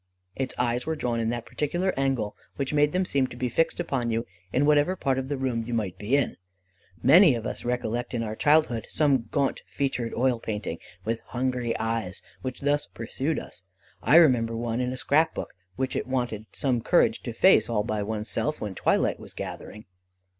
Its eyes were drawn in that particular angle which made them seem to be fixed upon you in whatever part of the room you might be in. Many of us recollect in our childhood some gaunt featured oil painting, with hungry eyes, which thus pursued us. I remember one in a scrap book, which it wanted some courage to face all by onesself, when twilight was gathering.